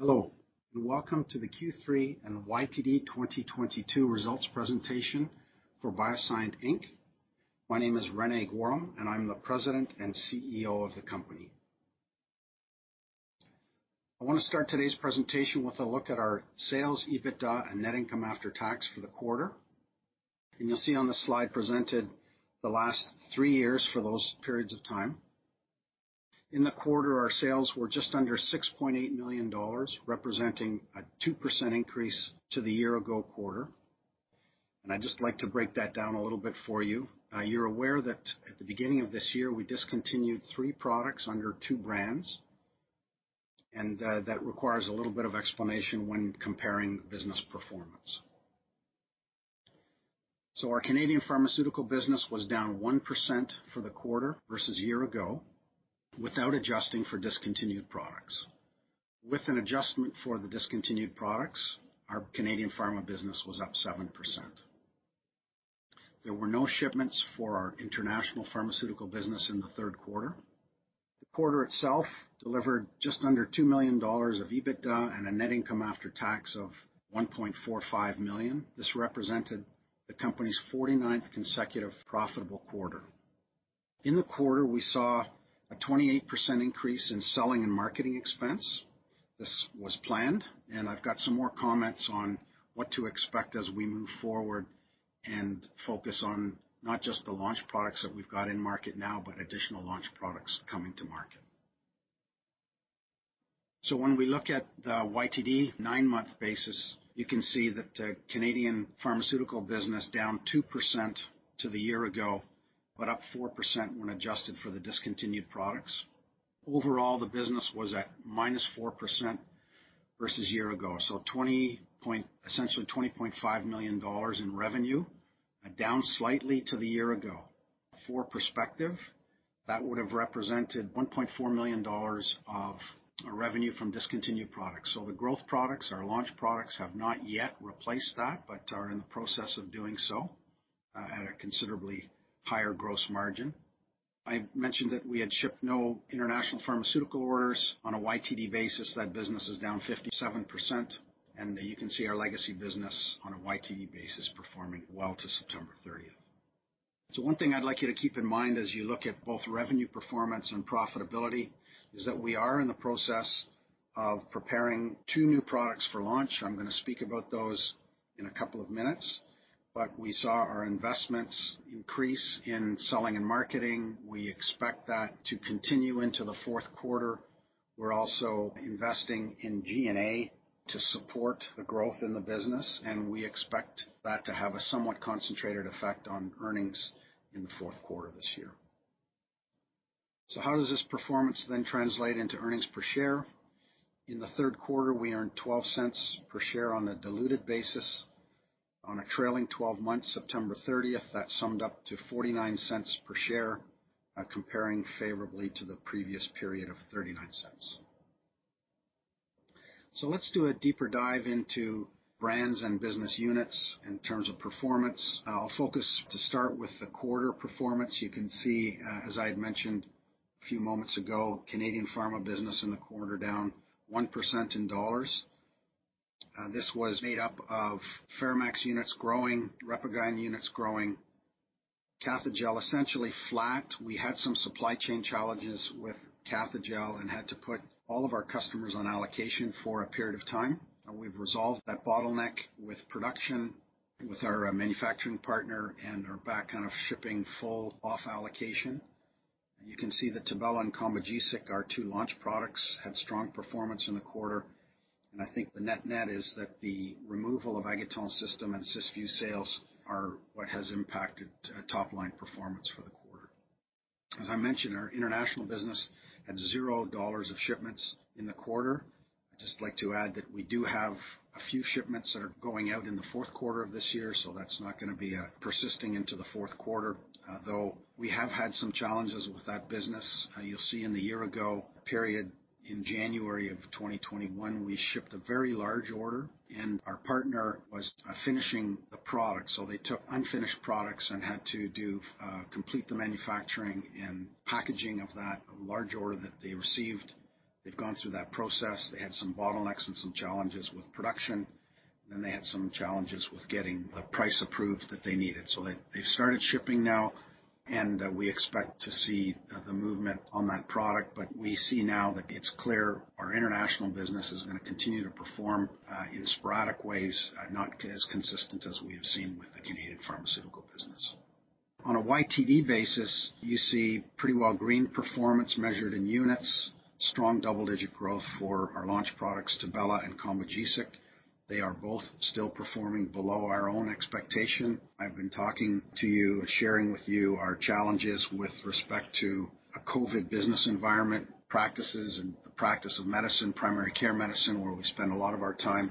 Hello, and welcome to the Q3 and YTD 2022 results presentation for BioSyent Inc. My name is René Goehrum, and I'm the President and CEO of the company. I wanna start today's presentation with a look at our sales, EBITDA, and net income after tax for the quarter. You'll see on the slide presented the last three years for those periods of time. In the quarter, our sales were just under 6.8 million dollars, representing a 2% increase to the year-ago quarter. I'd just like to break that down a little bit for you. You're aware that at the beginning of this year, we discontinued three products under two brands, and that requires a little bit of explanation when comparing business performance. Our Canadian pharmaceutical business was down 1% for the quarter versus year-ago without adjusting for discontinued products. With an adjustment for the discontinued products, our Canadian pharma business was up 7%. There were no shipments for our international pharmaceutical business in the third quarter. The quarter itself delivered just under 2 million dollars of EBITDA and a net income after tax of 1.45 million. This represented the company's 49th consecutive profitable quarter. In the quarter, we saw a 28% increase in selling and marketing expense. This was planned, and I've got some more comments on what to expect as we move forward and focus on not just the launch products that we've got in market now, but additional launch products coming to market. When we look at the YTD 9-month basis, you can see that the Canadian pharmaceutical business down 2% to the year ago, but up 4% when adjusted for the discontinued products. Overall, the business was at -4% versus year ago. Essentially 20.5 million dollars in revenue, down slightly to the year ago. For perspective, that would have represented 1.4 million dollars of revenue from discontinued products. The growth products, our launch products, have not yet replaced that, but are in the process of doing so, at a considerably higher gross margin. I mentioned that we had shipped no international pharmaceutical orders. On a YTD basis, that business is down 57%, and you can see our legacy business on a YTD basis performing well to September thirtieth. One thing I'd like you to keep in mind as you look at both revenue performance and profitability is that we are in the process of preparing two new products for launch. I'm gonna speak about those in a couple of minutes, but we saw our investments increase in selling and marketing. We expect that to continue into the fourth quarter. We're also investing in G&A to support the growth in the business, and we expect that to have a somewhat concentrated effect on earnings in the fourth quarter this year. How does this performance then translate into earnings per share? In the third quarter, we earned 0.12 per share on a diluted basis. On a trailing twelve months, September 30th, that summed up to 0.49 per share, comparing favorably to the previous period of 0.39. Let's do a deeper dive into brands and business units in terms of performance. I'll focus to start with the quarter performance. You can see, as I had mentioned a few moments ago, Canadian pharma business in the quarter down 1% in CAD. This was made up of FeraMAX units growing, RepaGyn units growing. Cathejell essentially flat. We had some supply chain challenges with Cathejell and had to put all of our customers on allocation for a period of time. We've resolved that bottleneck with production with our manufacturing partner and are back kind of shipping full off allocation. You can see that Tibella and Combogesic, our two launch products, had strong performance in the quarter. I think the net-net is that the removal of Aguettant System and Cysview sales are what has impacted, top-line performance for the quarter. As I mentioned, our international business had 0 dollars of shipments in the quarter. I'd just like to add that we do have a few shipments that are going out in the fourth quarter of this year, so that's not gonna be persisting into the fourth quarter. Though we have had some challenges with that business. You'll see in the year ago period, in January of 2021, we shipped a very large order and our partner was finishing the product. They took unfinished products and had to complete the manufacturing and packaging of that large order that they received. They've gone through that process. They had some bottlenecks and some challenges with production. Then they had some challenges with getting the price approved that they needed. They've started shipping now, and we expect to see the movement on that product. We see now that it's clear our international business is gonna continue to perform in sporadic ways, not as consistent as we have seen with the Canadian pharmaceutical business. On a YTD basis, you see pretty well green performance measured in units. Strong double-digit growth for our launch products, Tibella and Combogesic. They are both still performing below our own expectation. I've been talking to you and sharing with you our challenges with respect to a COVID business environment, practices, and the practice of medicine, primary care medicine, where we spend a lot of our time,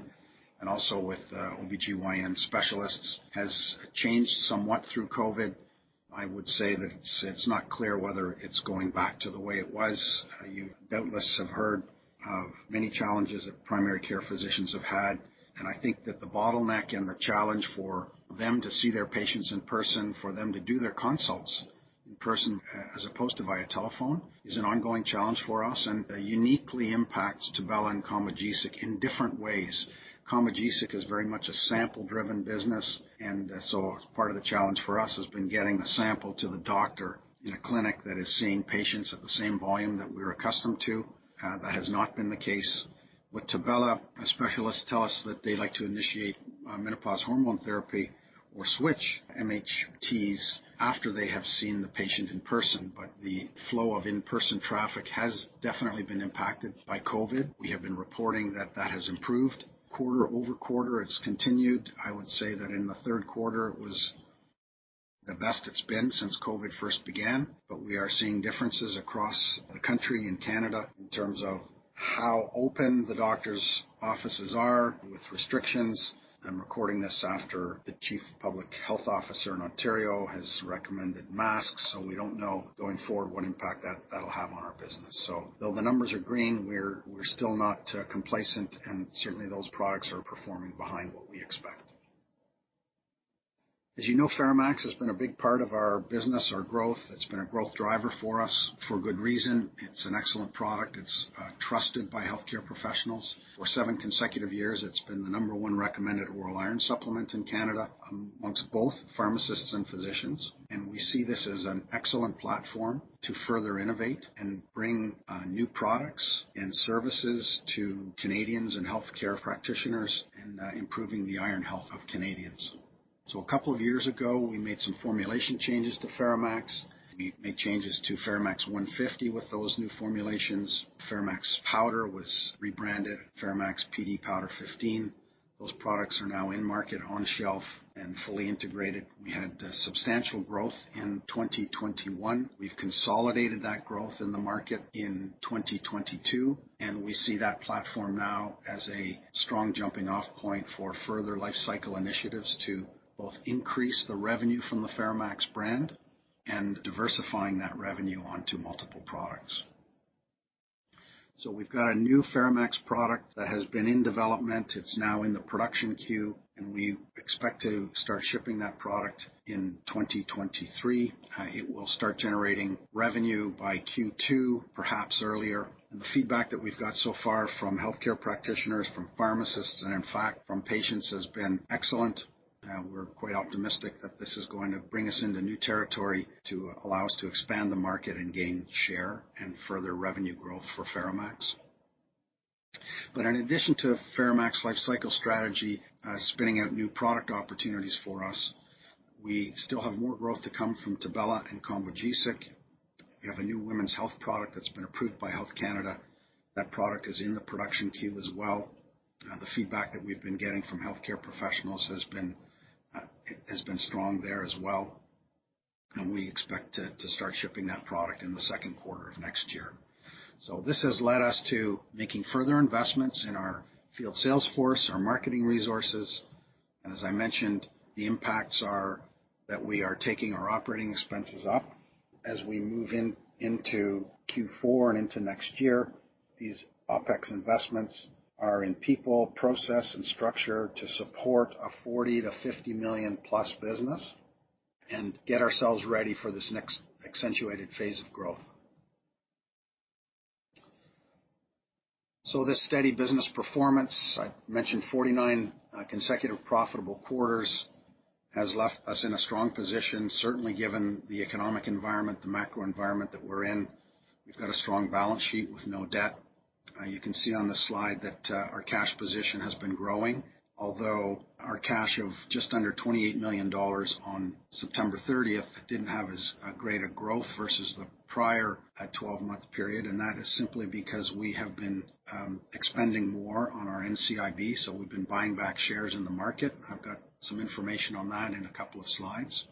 and also with OBGYN specialists, has changed somewhat through COVID. I would say that it's not clear whether it's going back to the way it was. You doubtless have heard of many challenges that primary care physicians have had, and I think that the bottleneck and the challenge for them to see their patients in person, for them to do their consults in person as opposed to via telephone is an ongoing challenge for us and uniquely impacts Tibella and Combogesic in different ways. Combogesic is very much a sample-driven business, and so part of the challenge for us has been getting the sample to the doctor in a clinic that is seeing patients at the same volume that we're accustomed to. That has not been the case with Tibella. Specialists tell us that they like to initiate menopause hormone therapy or switch MHTs after they have seen the patient in person. The flow of in-person traffic has definitely been impacted by COVID. We have been reporting that that has improved. Quarter-over-quarter, it's continued. I would say that in the third quarter it was the best it's been since COVID first began, but we are seeing differences across the country in Canada in terms of how open the doctor's offices are with restrictions. I'm recording this after the chief public health officer in Ontario has recommended masks, so we don't know going forward what impact that'll have on our business. Though the numbers are green, we're still not complacent and certainly those products are performing behind what we expect. As you know, FeraMAX has been a big part of our business, our growth. It's been a growth driver for us for good reason. It's an excellent product. It's trusted by healthcare professionals. For seven consecutive years, it's been the number one recommended oral iron supplement in Canada amongst both pharmacists and physicians. We see this as an excellent platform to further innovate and bring new products and services to Canadians and healthcare practitioners in improving the iron health of Canadians. A couple of years ago, we made some formulation changes to FeraMAX. We made changes to FeraMAX 150 with those new formulations. FeraMAX Powder was rebranded FeraMAX Pd Powder 15. Those products are now in market, on shelf, and fully integrated. We had substantial growth in 2021. We've consolidated that growth in the market in 2022, and we see that platform now as a strong jumping-off point for further life cycle initiatives to both increase the revenue from the FeraMAX brand and diversifying that revenue onto multiple products. We've got a new FeraMAX product that has been in development. It's now in the production queue, and we expect to start shipping that product in 2023. It will start generating revenue by Q2, perhaps earlier. The feedback that we've got so far from healthcare practitioners, from pharmacists, and in fact, from patients, has been excellent. We're quite optimistic that this is going to bring us into new territory to allow us to expand the market and gain share and further revenue growth for FeraMAX. In addition to FeraMAX lifecycle strategy, spinning out new product opportunities for us, we still have more growth to come from Tibella and Combogesic. We have a new women's health product that's been approved by Health Canada. That product is in the production queue as well. The feedback that we've been getting from healthcare professionals has been strong there as well, and we expect to start shipping that product in the second quarter of next year. This has led us to making further investments in our field sales force, our marketing resources, and as I mentioned, the impacts are that we are taking our operating expenses up as we move into Q4 and into next year. These OpEx investments are in people, process, and structure to support a 40 million-50 million-plus business and get ourselves ready for this next accentuated phase of growth. This steady business performance, I mentioned 49 consecutive profitable quarters, has left us in a strong position, certainly given the economic environment, the macro environment that we're in. We've got a strong balance sheet with no debt. You can see on this slide that our cash position has been growing, although our cash of just under 28 million dollars on September 30th didn't have as great a growth versus the prior 12-month period. That is simply because we have been expending more on our NCIB, so we've been buying back shares in the market. I've got some information on that in a couple of slides.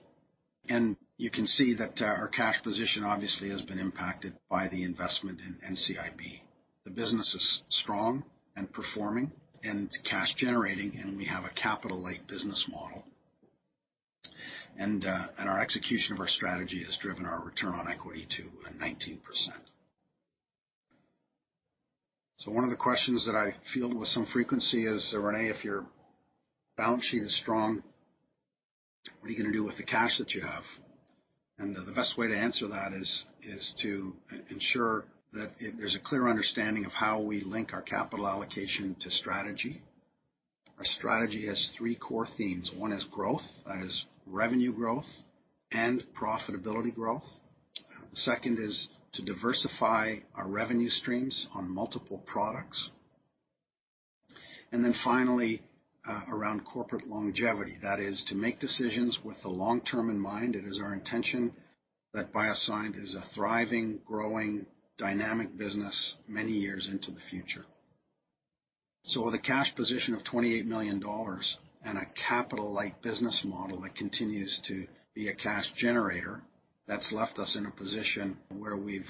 You can see that our cash position obviously has been impacted by the investment in NCIB. The business is strong and performing and cash generating, and we have a capital-light business model. Our execution of our strategy has driven our return on equity to 19%. One of the questions that I field with some frequency is, "René, if your balance sheet is strong, what are you gonna do with the cash that you have?" The best way to answer that is to ensure that there's a clear understanding of how we link our capital allocation to strategy. Our strategy has three core themes. One is growth, that is revenue growth and profitability growth. The second is to diversify our revenue streams on multiple products. Finally, around corporate longevity, that is to make decisions with the long term in mind. It is our intention that BioSyent is a thriving, growing, dynamic business many years into the future. With a cash position of 28 million dollars and a capital-light business model that continues to be a cash generator, that's left us in a position where we've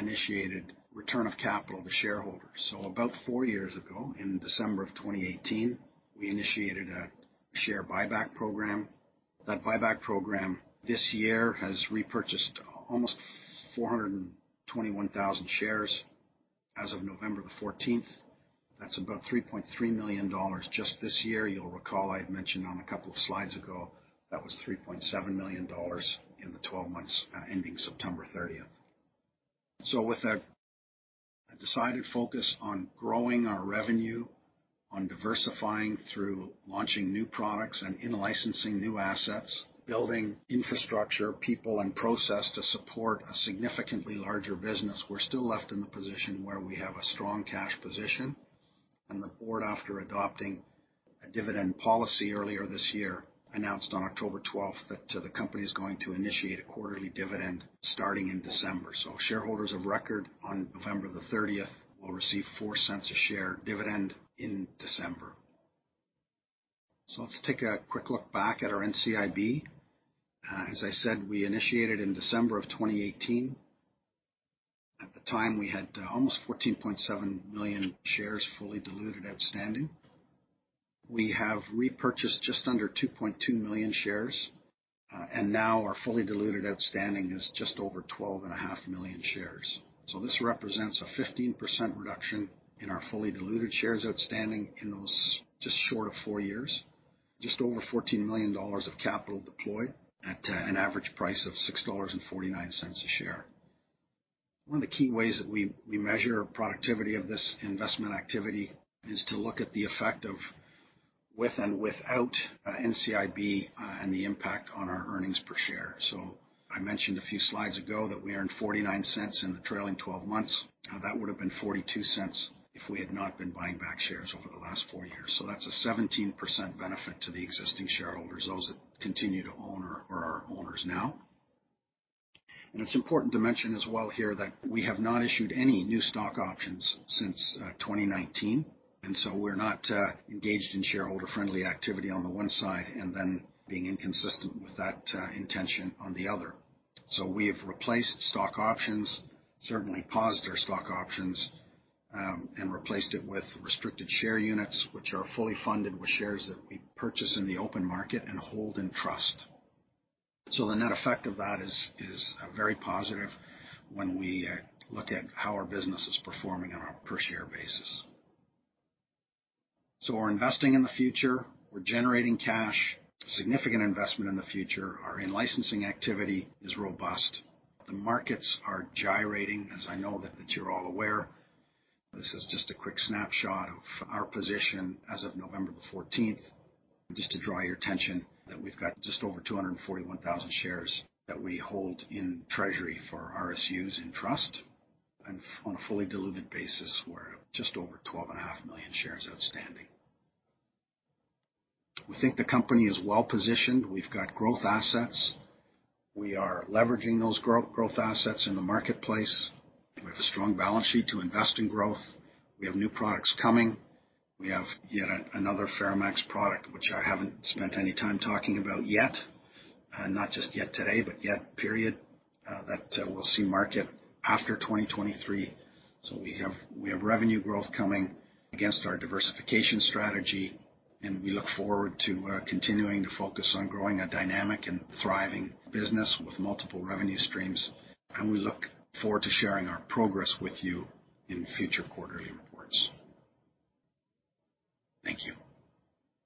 initiated return of capital to shareholders. About four years ago, in December 2018, we initiated a share buyback program. That buyback program this year has repurchased almost 421,000 shares. As of November 14th, that's about 3.3 million dollars just this year. You'll recall I had mentioned on a couple of slides ago that was 3.7 million dollars in the 12 months ending September 30th. With a decided focus on growing our revenue, on diversifying through launching new products and in-licensing new assets, building infrastructure, people, and process to support a significantly larger business, we're still left in the position where we have a strong cash position. The board, after adopting a dividend policy earlier this year, announced on October 12th that the company is going to initiate a quarterly dividend starting in December. Shareholders of record on November 30th will receive 0.04 per share dividend in December. Let's take a quick look back at our NCIB. As I said, we initiated in December of 2018. At the time, we had almost 14.7 million shares fully diluted outstanding. We have repurchased just under 2.2 million shares. Now our fully diluted outstanding is just over 12.5 million shares. This represents a 15% reduction in our fully diluted shares outstanding in those just short of four years. Just over 14 million dollars of capital deployed at an average price of 6.49 dollars per share. One of the key ways that we measure productivity of this investment activity is to look at the effect of with and without NCIB and the impact on our earnings per share. I mentioned a few slides ago that we earned 0.49 in the trailing twelve months. Now, that would have been 0.42 if we had not been buying back shares over the last four years. That's a 17% benefit to the existing shareholders, those that continue to own or are owners now. It's important to mention as well here that we have not issued any new stock options since 2019, and so we're not engaged in shareholder-friendly activity on the one side and then being inconsistent with that intention on the other. We have replaced stock options, certainly paused our stock options, and replaced it with restricted share units, which are fully funded with shares that we purchase in the open market and hold in trust. The net effect of that is very positive when we look at how our business is performing on a per share basis. We're investing in the future. We're generating cash. Significant investment in the future. Our in-licensing activity is robust. The markets are gyrating, as I know that you're all aware. This is just a quick snapshot of our position as of November the fourteenth, just to draw your attention that we've got just over 241,000 shares that we hold in treasury for RSUs in trust. On a fully diluted basis, we're just over 12.5 million shares outstanding. We think the company is well-positioned. We've got growth assets. We are leveraging those growth assets in the marketplace. We have a strong balance sheet to invest in growth. We have new products coming. We have yet another FeraMAX product which I haven't spent any time talking about yet, not just yet today, but yet period, that we'll see market after 2023. We have revenue growth coming against our diversification strategy, and we look forward to continuing to focus on growing a dynamic and thriving business with multiple revenue streams. We look forward to sharing our progress with you in future quarterly reports. Thank you.